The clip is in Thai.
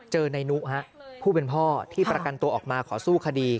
ในนุผู้เป็นพ่อที่ประกันตัวออกมาขอสู้คดี